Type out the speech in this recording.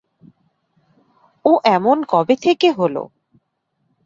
ও এমন কবে থেকে হলো?